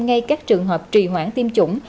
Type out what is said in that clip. ngay các trường hợp trì hoãn tiêm chủng